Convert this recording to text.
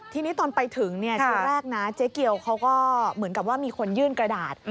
ทีนี้ตอนไปถึงทีแรกนะเจ๊เกียวเขาก็เหมือนกับว่ามีคนยื่นกระดาษ